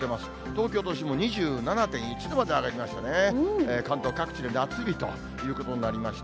東京都心も２７．１度まで上がりましてね、関東各地で夏日ということになりました。